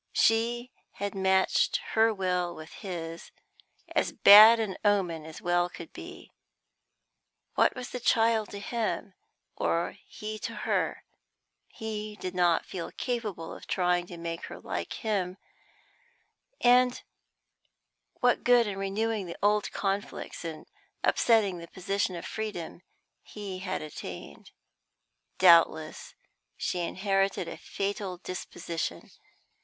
She had matched her will with his, as bad an omen as well could be. What was the child to him, or he to her? He did not feel capable of trying to make her like him; what good in renewing the old conflicts and upsetting the position of freedom he had attained? Doubtless she inherited a fatal disposition.